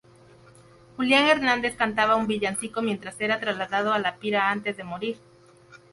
Julián Hernández cantaba un villancico mientras era trasladado a la pira antes de morir.